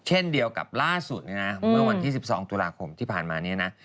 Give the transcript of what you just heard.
เช่นเดียวกับล่าสุดเนี่ยนะเมื่อวันที่๑๒ตุลาคมที่ผ่านมาเนี่ยนะ